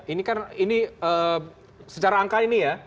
ini kan ini secara angka ini ya